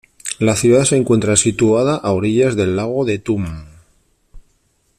La ciudad se encuentra situada a orillas del lago de Thun.